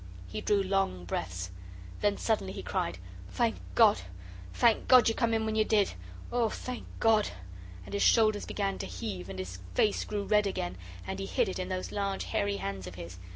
He drew long breaths. Then suddenly he cried, "Thank God, thank God you come in when you did oh, thank God!" and his shoulders began to heave and his face grew red again, and he hid it in those large hairy hands of his.